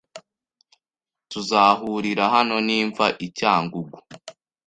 Tuzahurira hano nimva I cyangugu.